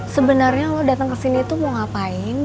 sebenernya lo dateng kesini tuh mau ngapain